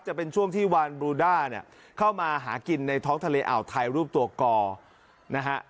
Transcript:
จะเป็นช่วงที่วานบลูด้าเนี่ยเข้ามาหากินในท้องทะเลอ่าวไทยรูปตัวกอนะฮะ